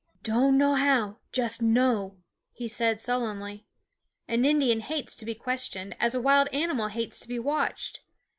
" Don' know how; just know," he said sul lenly. An Indian hates to be questioned, as a wild animal hates to be watched.